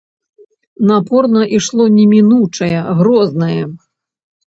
Напорна ішло немінучае, грознае.